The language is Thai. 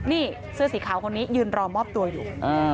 นี่เสื้อสีขาวคนนี้ยืนรอมอบตัวอยู่